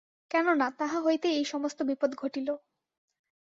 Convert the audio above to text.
কেন না, তাহা হইতেই এই সমস্ত বিপদ ঘটিল।